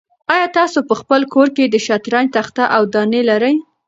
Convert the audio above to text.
آیا تاسو په خپل کور کې د شطرنج تخته او دانې لرئ؟